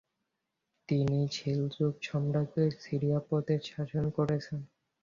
তিনি সেলজুক সাম্রাজ্যের সিরিয়া প্রদেশ শাসন করেছেন।